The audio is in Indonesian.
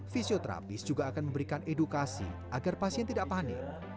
fisioterapis juga akan memberikan edukasi agar pasien tidak panik